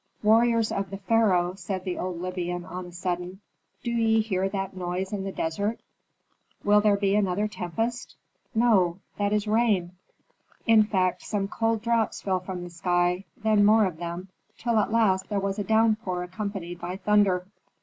"Warriors of the pharaoh," said the old Libyan on a sudden, "do ye hear that noise in the desert?" "Will there be another tempest?" "No; that is rain." In fact some cold drops fell from the sky, then more of them, till at last there was a downpour accompanied by thunder.